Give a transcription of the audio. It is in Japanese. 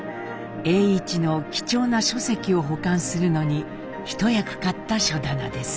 栄一の貴重な書籍を保管するのに一役買った書棚です。